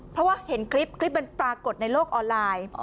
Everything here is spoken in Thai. เพราะว่าเห็นคลิปคลิปมันปรากฏในโลกออนไลน์